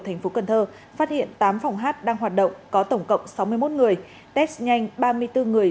thành phố cần thơ phát hiện tám phòng hát đang hoạt động có tổng cộng sáu mươi một người test nhanh ba mươi bốn người